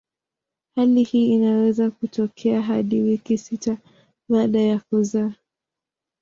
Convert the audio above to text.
Hali hii inaweza kutokea hadi wiki sita baada ya kuzaa.